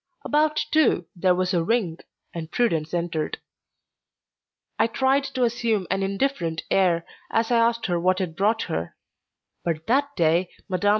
About two there was a ring, and Prudence entered. I tried to assume an indifferent air as I asked her what had brought her; but that day Mme.